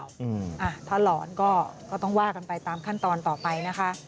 อืมอ่ะถ้าหลอนก็ก็ต้องว่ากันไปตามขั้นตอนต่อไปนะคะ